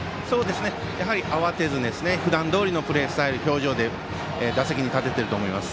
やはり慌てずに普段どおりのプレースタイル表情で、打席に立てていると思います。